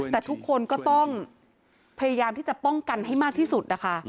แต่ทุกคนก็ต้องพยายามที่จะป้องกันให้มากที่สุดนะคะ